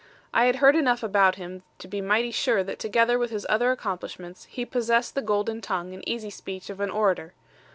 I had heard enough about him to be mighty sure that together with his other accomplishments he possessed the golden tongue and easy speech of an orator.